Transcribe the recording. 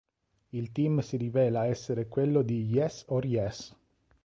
Il team si rivela essere quello di "Yes or Yes".